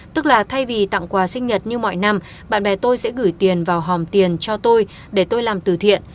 tức là thay vì tặng quà sinh nhật như mọi năm bạn bè tôi sẽ gửi tiền vào hòm tiền cho tôi để tôi làm từ thiện